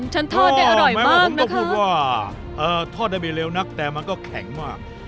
ฉันทอดได้อร่อยมากนะคะไม่ว่าผมต้องพูดว่าทอดได้ไม่เลวนักแต่มันก็แข็งมาก